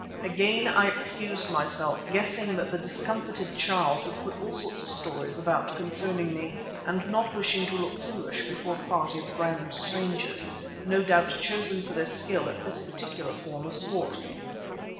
Again I excused myself, guessing that the discomfited Charles would put all sorts of stories about concerning me, and not wishing to look foolish before a party of grand strangers, no doubt chosen for their skill at this particular form of sport.